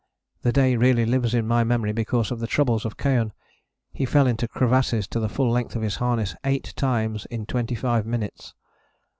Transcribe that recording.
The day really lives in my memory because of the troubles of Keohane. He fell into crevasses to the full length of his harness eight times in twenty five minutes.